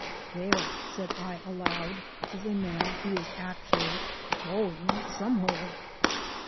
"There," said I aloud, "is a man who is actually going somewhere."